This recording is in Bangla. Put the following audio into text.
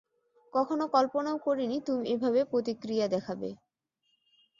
কখনো কল্পনাও করিনি তুমি এভাবে প্রতিক্রিয়া দেখাবে।